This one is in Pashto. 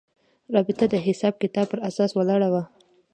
رابطه د حساب کتاب پر اساس ولاړه وه.